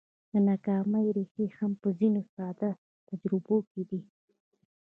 د ناکامۍ ريښې هم په ځينو ساده تجربو کې دي.